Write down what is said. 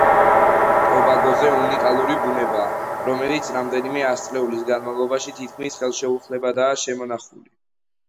ტობაგოზე უნიკალური ბუნებაა, რომელიც რამდენიმე ასწლეულის განმავლობაში თითქმის ხელუხლებლადაა შემონახული.